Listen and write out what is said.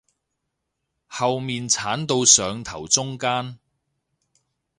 後面剷到上頭中間